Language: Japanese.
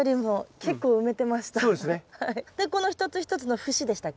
でこの一つ一つの節でしたっけ？